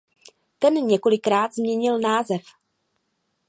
Ten několikrát změnil název.